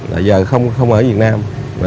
bây giờ không ở việt nam